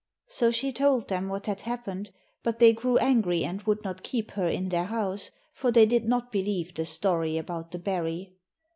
So she told them what had happened, but they grew angry and would not keep her in their house, for they did not believe the story about the berry.